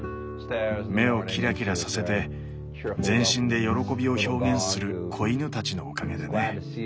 目をきらきらさせて全身で喜びを表現する子犬たちのおかげでね。